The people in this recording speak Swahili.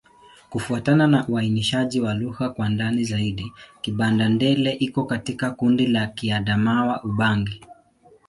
Kufuatana na uainishaji wa lugha kwa ndani zaidi, Kibanda-Ndele iko katika kundi la Kiadamawa-Ubangi.